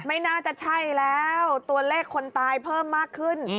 ไม่น่าจะใช่แล้วตัวเลขคนตายเพิ่มมากขึ้น